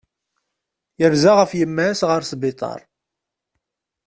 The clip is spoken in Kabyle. Yerza ɣef yemma-s ɣer sbiṭar.